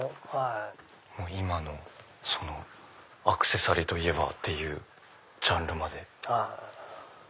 今のアクセサリーといえばっていうジャンルまで。